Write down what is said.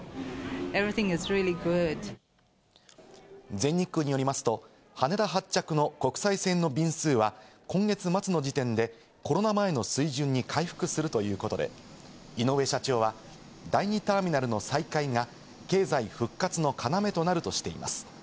全日空によりますと、羽田発着の国際線の便数は今月末の時点でコロナ前の水準に回復するということで、井上社長は第２ターミナルの再開が経済復活の要となるとしています。